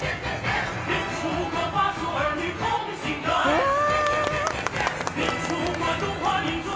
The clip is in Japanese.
うわ。